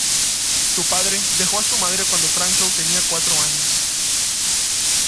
Su padre dejó a su madre cuando Frankel tenía cuatro años.